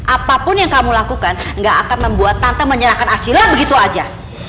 apapun yang kamu lakukan gak akan membuat tante menyerahkan asilah begitu aja